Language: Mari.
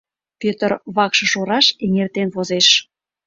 Пӧтыр вакшыш ораш эҥертен возеш.